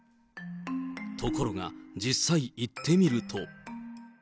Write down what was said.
ところが、実際行ってみると。